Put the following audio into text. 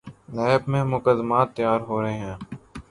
NAB میں مقدمات تیار ہو رہے ہیں۔